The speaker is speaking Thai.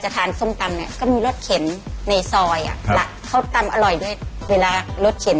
ตั้งแต่ไปซื้อลูกชิ้น